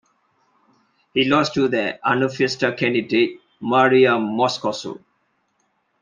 He lost to the Arnulfista candidate, Mireya Moscoso.